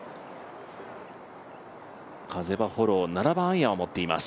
風はフォロー、７番アイアンを持っています。